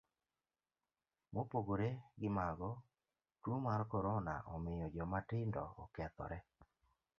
Mopogore gimago, tuo mar korona omiyo joma tindo okethore.